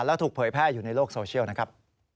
แล้วถูกเผยแพร่อยู่ในโลกโซเชียลนะครับ